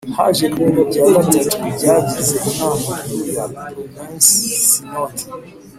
Haje bibiri bya gatatu by’abagize Inama Nkuru ya Provensi Sinodi